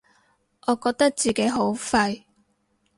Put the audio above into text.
我覺得自己好廢